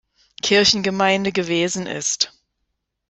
Kirchengemeinde gewesen ist.